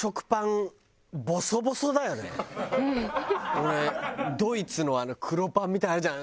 俺ドイツのあの黒パンみたいなのあるじゃん？